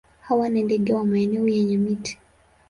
Hawa ni ndege wa maeneo yenye miti.